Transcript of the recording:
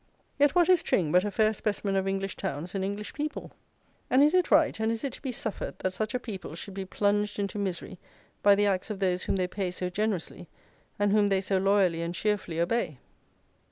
Yet, what is Tring but a fair specimen of English towns and English people? And is it right, and is it to be suffered, that such a people should be plunged into misery by the acts of those whom they pay so generously, and whom they so loyally and cheerfully obey?